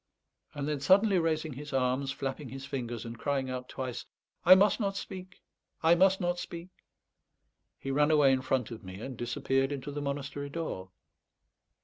And then suddenly raising his arms, flapping his fingers, and crying out twice, "I must not speak! I must not speak!" he ran away in front of me, and disappeared into the monastery door.